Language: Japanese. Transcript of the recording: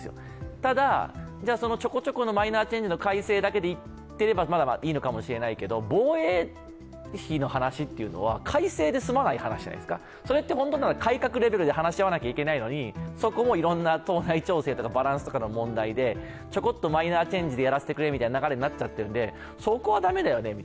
ただ、そのちょこちょこのマイナーチェンジの改正だけでいけばいいのかもしれないけれども、防衛費の話っていうのは改正で済まない話じゃないですかそれって本当なら改革レベルで話し合わなきゃいけないのにそこもいろんな党内調整とかバランスの問題でちょこっとマイナーチェンジでやらせてくれってなってるのでそこは駄目だよねと。